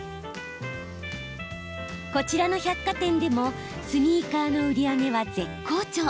こちらの百貨店でもスニーカーの売り上げは絶好調。